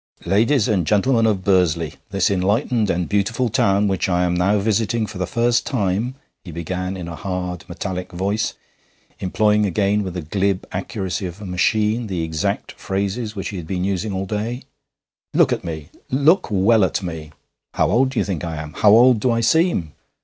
'Ladies and gentlemen of Bursley, this enlightened and beautiful town which I am now visiting for the first time,' he began in a hard, metallic voice, employing again with the glib accuracy of a machine the exact phrases which he had been using all day, 'look at me look well at me. How old do you think I am? How old do I seem?